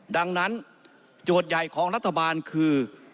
ดังนั้นโจทย์ใหญ่ของรัฐบาลคือ